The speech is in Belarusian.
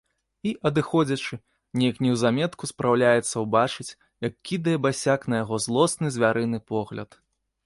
І, адыходзячы, неяк неўзаметку спраўляецца ўбачыць, як кідае басяк на яго злосны звярыны погляд.